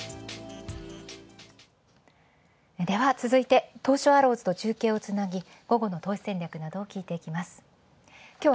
続いて、東証アローズと中継をつなぎ午後の投資戦略などを聞いていきます。